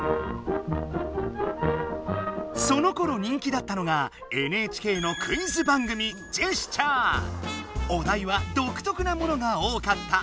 そのころ人気だったのがＮＨＫのクイズ番組お題はどくとくなものが多かった。